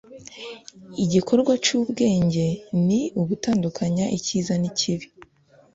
igikorwa c'ubwenge ni ugutandukanya icyiza n'ikibi